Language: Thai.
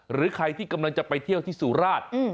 หรือใครที่กำลังจะไปเที่ยวที่สุราช